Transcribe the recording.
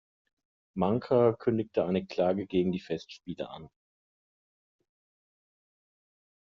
Manker kündigte eine Klage gegen die Festspiele an.